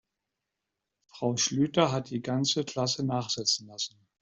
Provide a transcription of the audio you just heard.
Frau Schlüter hat die ganze Klasse nachsitzen lassen.